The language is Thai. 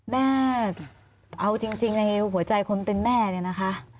แม่เอาจริงในหัวใจคนเป็นแม่เนี่ยนะคะ